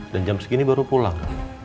dan jam segini baru pulang